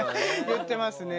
言ってますね。